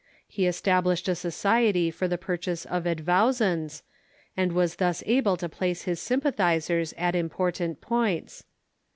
He established a society for the purchase of advowsons, and was thus able to place his sympathizers at important points.